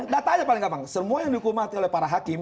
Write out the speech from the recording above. datanya paling gampang semua yang dihukum mati oleh para hakim